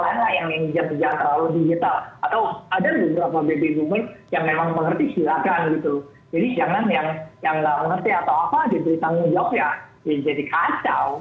jadi jangan yang nggak mengerti atau apa diberi tanggung jawab ya jadi kacau